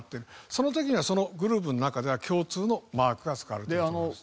その時にはそのグループの中では共通のマークが使われていると思います。